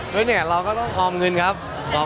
เราก็ต้องออมเงินครับ